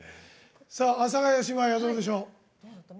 阿佐ヶ谷姉妹はどうでしょう？